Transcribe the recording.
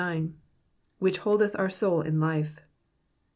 ^^ Which holdeth our soul in life.'